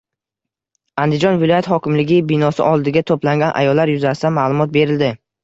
Andijon viloyat hokimligi binosi oldiga to‘plangan ayollar yuzasidan ma’lumot berildi